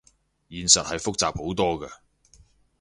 現實係複雜好多㗎